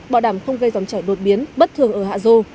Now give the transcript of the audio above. bảo đảm không gây dòng chảy đột biến bất thường ở hạ dô